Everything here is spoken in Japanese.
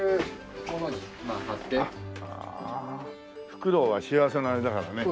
フクロウは幸せのあれだからね。